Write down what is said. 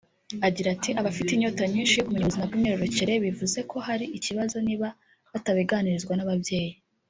Agira ati “Bafite inyota nyinshi yo kumenya ubuzima bw’imyororokere bivuze ko hari ikibazo niba batabiganirizwa n’ababyeyi